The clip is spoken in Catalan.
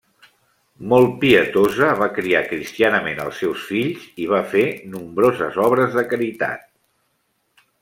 Molt pietosa, va criar cristianament els seus fills i va fer nombroses obres de caritat.